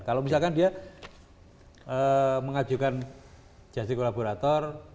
kalau misalkan dia mengajukan just sico laborator